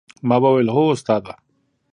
ما وويل هو استاده!